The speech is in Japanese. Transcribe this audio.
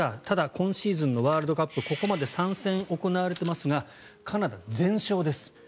ただ、今シーズンのワールドカップここまで３戦行われていますがカナダは全勝です。